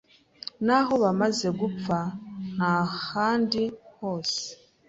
naho bamaze gupfa nkahandi hose